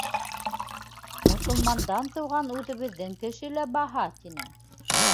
Мосолмандан тыуған үҙебеҙҙең кеше лә баһа, — тине.